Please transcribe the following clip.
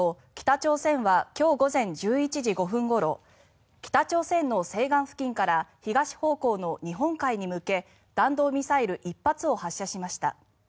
防衛省によりますと北朝鮮は今日午前１１時５分ごろ北朝鮮の西岸付近から東方向の日本海に向け弾道ミサイル１発を発射しました。